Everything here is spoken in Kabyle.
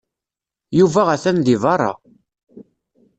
Yuba atan deg beṛṛa.